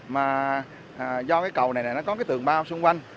mà do cầu này có tường bao xung quanh